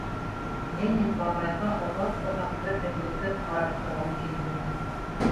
Ленин бабайға оҙаҡ-оҙаҡ, бер өҙлөкһөҙ ҡарап торғом килде.